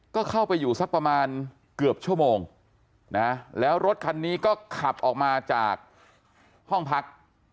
ก็เข้าไปอยู่สักประมาณเกือบชั่วโมงนะแล้วรถคันนี้ก็ขับออกมาจากห้องพัก